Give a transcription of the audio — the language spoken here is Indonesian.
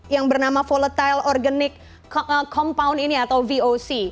yang bernama volatile organic compound ini atau voc